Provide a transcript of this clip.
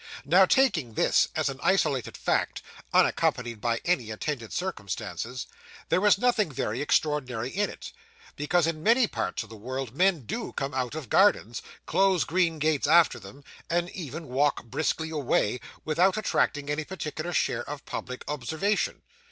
Now, taking this, as an isolated fact, unaccompanied by any attendant circumstances, there was nothing very extraordinary in it; because in many parts of the world men do come out of gardens, close green gates after them, and even walk briskly away, without attracting any particular share of public observation.